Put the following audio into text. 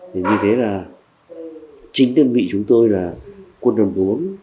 thì như thế là chính đơn vị chúng tôi là quân đoàn bốn